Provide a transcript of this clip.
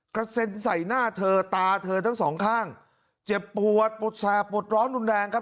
กระเซ็นใส่หน้าเธอตาเธอทั้งสองข้างเจ็บปวดปวดแสบปวดร้อนรุนแรงครับ